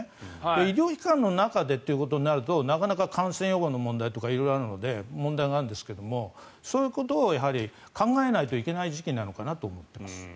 医療機関の中でとなると感染予防とか問題があるんですがそういうことを考えないといけない時期なのかなと思っています。